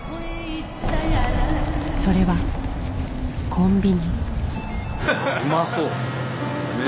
それはコンビニ。